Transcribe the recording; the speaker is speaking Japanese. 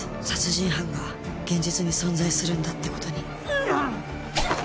殺人犯が現実に存在するんだってことに。